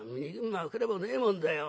「まけるもねえもんだよ。